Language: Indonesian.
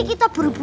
kita buru buru nih